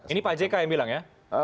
ini pak jk yang bilang ya